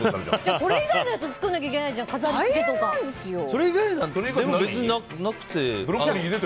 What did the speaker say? それ以外のやつ作らなきゃいけないじゃん。それ以外のは別になくても。